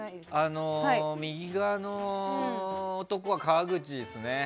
右側の男は、河口ですね。